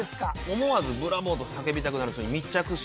思わずブラボーと叫びたくなる人に密着して。